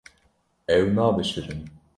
Ew nabişirin.